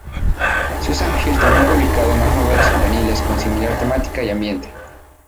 Susan Hinton ha publicado más novelas juveniles con similar temática y ambiente.